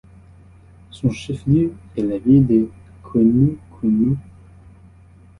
Son chef-lieu est la ville de Quemú Quemú.